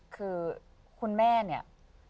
คือคุณแม่เนี่ย